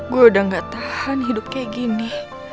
gue udah gak tahan hidup kayak gini